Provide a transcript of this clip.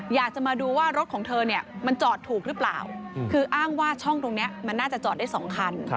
อยากจะมาดูว่ารถของเธอเนี่ยมันจอดถูกหรือเปล่าคืออ้างว่าช่องตรงนี้มันน่าจะจอดได้๒คัน